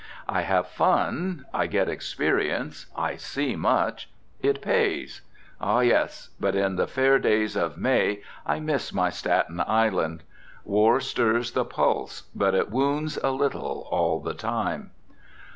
I have fun, I get experience, I see much, it pays. Ah, yes! But in these fair days of May I miss my Staten Island. War stirs the pulse, but it wounds a little all the time.